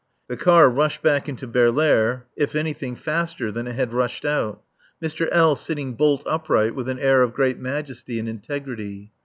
The car rushed back into Baerlaere if anything faster than it had rushed out, Mr. L. sitting bolt upright with an air of great majesty and integrity.